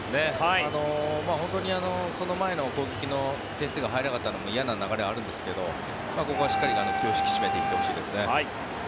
本当にその前の攻撃の点数が入らなかったのも嫌な流れではあるんですがここはしっかり気を引き締めて行ってほしいですね。